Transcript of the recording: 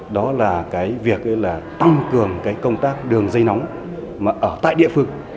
đó là việc tăng cường công tác đường dây nóng ở tại địa phương